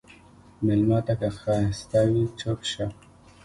مېلمه ته که خسته وي، چپ شه.